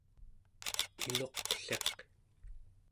iluqliq